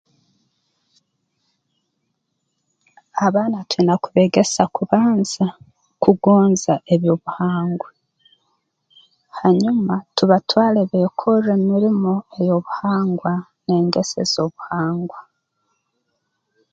Abaana twiine kubeegesa kubanza kugonza eby'obuhangwa hanyuma tubatwaale beekorre emirimo ey'obuhangwa n'engeso ez'obuhangwa